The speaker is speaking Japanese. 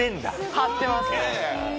張ってます。